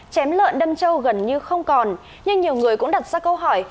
chém lợn đâm châu gần như không còn nhưng nhiều người cũng đặt ra câu hỏi